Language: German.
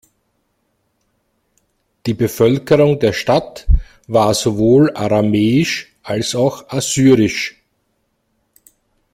Die Bevölkerung der Stadt war sowohl aramäisch als auch assyrisch.